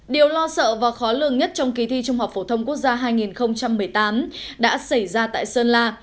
điều lo sợ và khó lường nhất trong kỳ thi trung học phổ thông quốc gia hai nghìn một mươi tám đã xảy ra tại sơn la